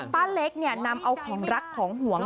ป้าเล็กนำเอาของรักของห่วง